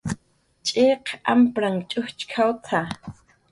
"cx'iq ampranhn ch'ujchk""awt""a "